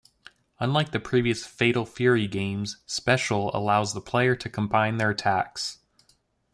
Unlike the previous "Fatal Fury" games, "Special" allows the player to combine their attacks.